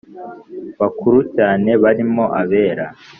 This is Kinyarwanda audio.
Bakuru cyane barimo abera